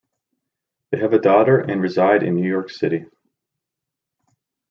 They have a daughter and reside in New York City.